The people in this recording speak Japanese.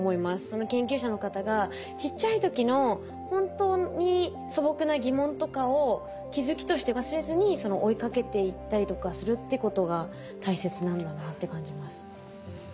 研究者の方がちっちゃい時の本当に素朴な疑問とかを気付きとして忘れずに追いかけていったりとかするってことが大切なんだなって感じます。